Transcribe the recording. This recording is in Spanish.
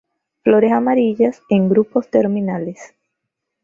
Flores amarillas en grupos terminales.